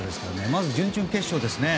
まず準々決勝ですね。